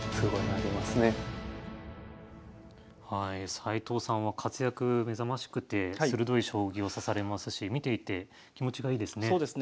斎藤さんは活躍目覚ましくて鋭い将棋を指されますし見ていて気持ちがいいですね。